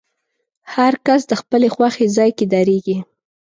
هر کس د خپلې خوښې ځای کې درېږي.